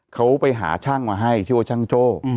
เขาไปหาช่างมาให้ชื่อว่าช่างโจ้